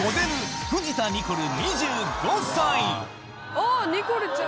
あニコルちゃん。